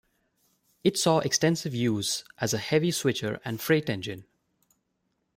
It saw extensive use as a heavy switcher and freight engine.